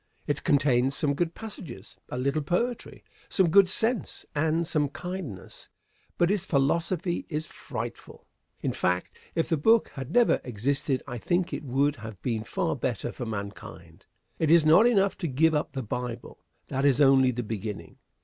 It contains some good passages, a little poetry, some good sense, and some kindness; but its philosophy is frightful. In fact, if the book had never existed I think it would have been far better for mankind. It is not enough to give up the Bible; that is only the beginning.